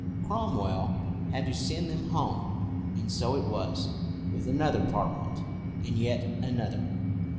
Cromwell had to send them home. And so it was with another Parliament, and yet another.